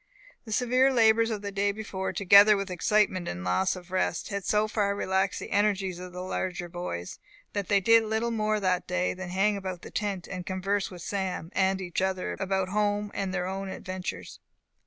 The severe labours of the day before, together with excitement and loss of rest, had so far relaxed the energies of the larger boys, that they did little more that day than hang about the tent, and converse with Sam and each other about home and their own adventures.